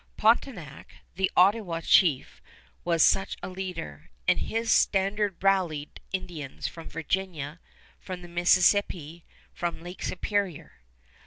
Pontiac, the Ottawa chief, was such a leader, and to his standard rallied Indians from Virginia, from the Mississippi, from Lake Superior.